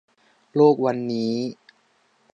โลกวันนี้